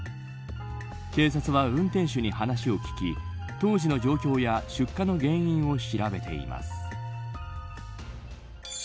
警察は、運転手に話を聞き当時の状況や出火の原因を調べています。